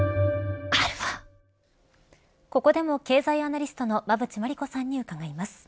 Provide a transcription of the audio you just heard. ここでも経済アナリストの馬渕磨理子さんに伺います。